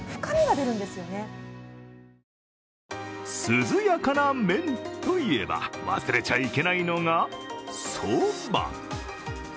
涼やかな麺といえば忘れちゃいけないのが、そば。